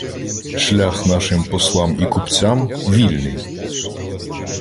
Шлях нашим Послам і купцям… вільний